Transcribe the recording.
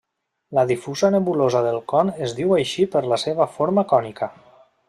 La difusa nebulosa del con es diu així per la seva forma cònica.